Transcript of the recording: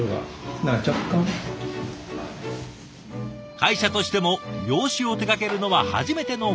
会社としても洋酒を手がけるのは初めてのこと。